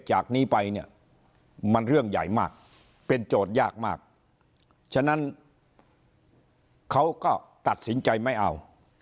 จากนี้ไปเนี่ยมันเรื่องใหญ่มากเป็นโจทย์ยากมากฉะนั้นเขาก็ตัดสินใจไม่เอา